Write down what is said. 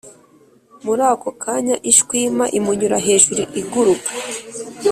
Muri ako kanya, ishwima imunyura hejuru iguruka,